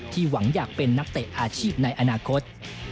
หวังอยากเป็นนักเตะอาชีพในอนาคต